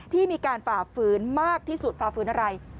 ที่มีการฝ่าฝืนมากที่สุดฝ่าฝืนอะไร